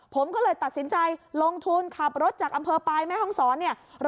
ผมก็เลยตัดสินใจลงทุนขับรถจากอำเภอปลายแม่ห้องศรเนี่ย